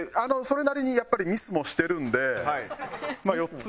それなりにやっぱりミスもしてるんでまあ４つでしょう。